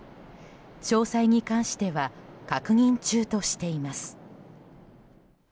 詳細に関しては確認中としています。